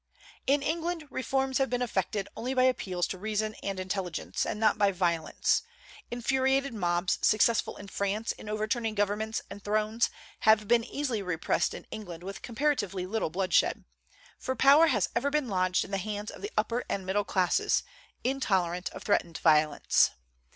In England reforms have been effected only by appeals to reason and intelligence, and not by violence. Infuriated mobs, successful in France in overturning governments and thrones, have been easily repressed in England with comparatively little bloodshed; for power has ever been lodged in the hands of the upper and middle classes, intolerant of threatened violence.